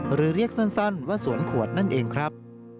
หรือเรียกสั้นว่าสวนขวดนั่นเองครับ